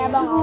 ya bang jan